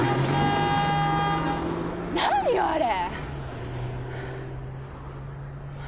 何よあれ！